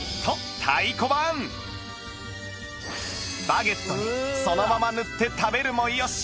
バゲットにそのまま塗って食べるもよし